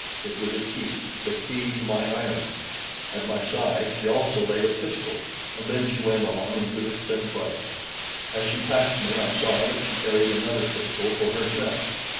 It was a key the key to my irons. At my side she also laid a pistol, and then she went on into the centrale. As she passed me, I saw that she carried another pistol for herself.